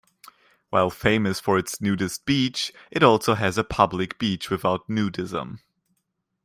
While famous for its nudist beach, it also has a public beach without nudism.